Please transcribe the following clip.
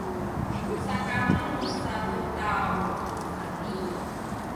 sakamu sa tu taw kuheni.